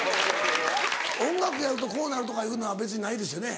音楽やるとこうなるとかいうのは別にないですよね？